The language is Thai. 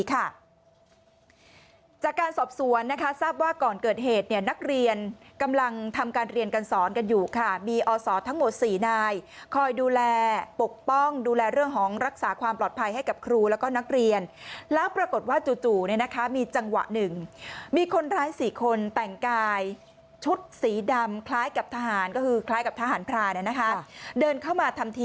จากการสอบสวนนะคะทราบว่าก่อนเกิดเหตุนักเรียนกำลังทำการเรียนการสอนกันอยู่ค่ะมีอศทั้งหมด๔นายคอยดูแลปกป้องดูแลเรื่องของรักษาความปลอดภัยให้กับครูแล้วก็นักเรียนแล้วปรากฏว่าจู่มีจังหวะหนึ่งมีคนร้าย๔คนแต่งกายชุดสีดำคล้ายกับทหารก็คือคล้ายกับทหารพราเดินเข้ามาทำที